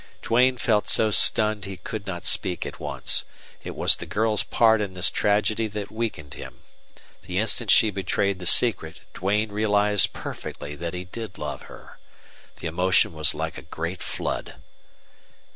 Duane felt so stunned he could not speak at once. It was the girl's part in this tragedy that weakened him. The instant she betrayed the secret Duane realized perfectly that he did love her. The emotion was like a great flood.